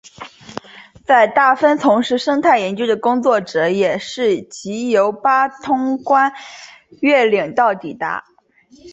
在大分从事生态研究的工作者也是藉由八通关越岭道抵达。